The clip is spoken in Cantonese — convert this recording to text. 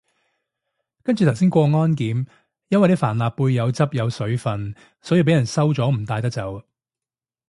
跟住頭先過安檢，因為啲帆立貝有汁有水份，所以被人收咗唔帶得走